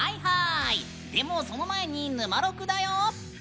でもその前に「ぬまろく」だよ。